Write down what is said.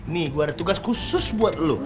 nih gua ada tugas khusus buat lu